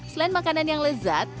selain makanan yang lezat